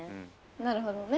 なるほどね。